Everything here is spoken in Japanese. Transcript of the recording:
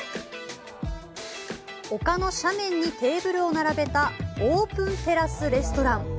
丘の斜面にテーブルを並べたオープンテラスレストラン。